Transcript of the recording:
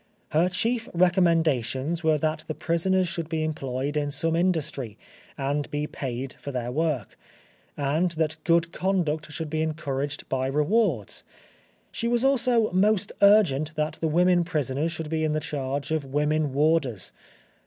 Her chief recommendations were that the prisoners should be employed in some industry, and be paid for their work, and that good conduct should be encouraged by rewards; she was also most urgent that the women prisoners should be in the charge of women warders.